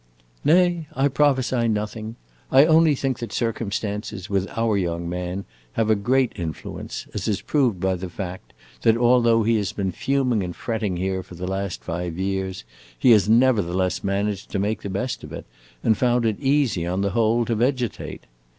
"Nay, I prophesy nothing. I only think that circumstances, with our young man, have a great influence; as is proved by the fact that although he has been fuming and fretting here for the last five years, he has nevertheless managed to make the best of it, and found it easy, on the whole, to vegetate.